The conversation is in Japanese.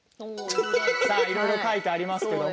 いろいろ書いてありますけれども。